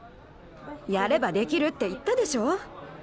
やればできるって言ったでしょ。